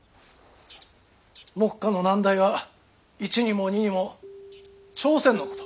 目下の難題は一にも二にも朝鮮のこと。